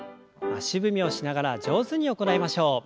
足踏みをしながら上手に行いましょう。